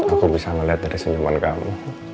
aku bisa melihat dari senyuman kamu